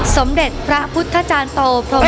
ก็กลัวผิดไงคือ